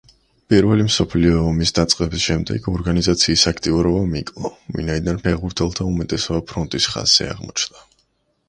პირველი მსოფლიო ომის დაწყების შემდეგ, ორგანიზაციის აქტიურობამ იკლო, ვინაიდან ფეხბურთელთა უმეტესობა ფრონტის ხაზზე აღმოჩნდა.